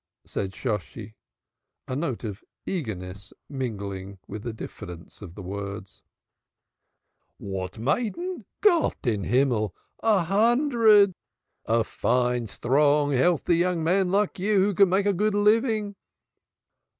said Shosshi, a note of eagerness mingling with the diffidence of the words. "What maiden? Gott in Himmel! A hundred. A fine, strong, healthy young man like you, who can make a good living!"